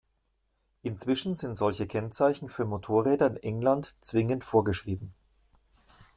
Inzwischen sind solche Kennzeichen für Motorräder in England zwingend vorgeschrieben.